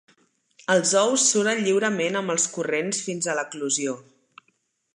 Els ous suren lliurement amb els corrents fins a l'eclosió.